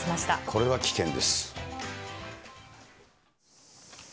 これは危険です。